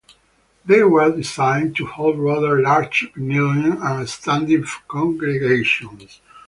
They were design to hold rather large kneeling and standing congregations.